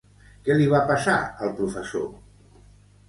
Què li va passar al professor?